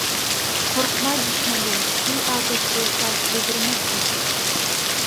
قورقما دۈشمەندىن، كى ئاتەش بولسا كۆيدۈرمەس سېنى!